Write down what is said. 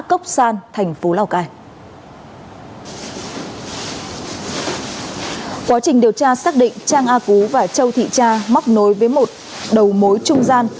quá trình điều tra xác định trang a phú và châu thị cha móc nối với một đầu mối trung gian